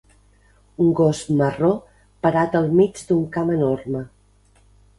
Un gos marró parat al mig d'un camp enorme.